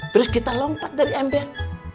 terus kita lompat dari ember